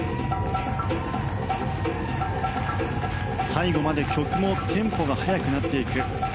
最後まで曲のテンポが速くなっていく。